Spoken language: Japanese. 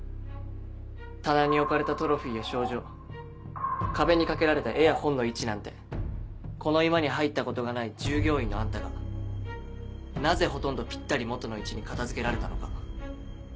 棚に置かれたトロフィーや賞状壁に掛けられた絵や本の位置なんてこの居間に入ったことがない従業員のあんたがなぜほとんどぴったり元の位置に片付けられたのか。